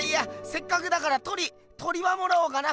せっかくだから鳥鳥はもらおうかな。